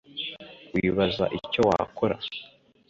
wibaza icyo wakora